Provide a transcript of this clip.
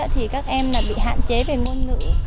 thì các em bị hạn chế về ngôn ngữ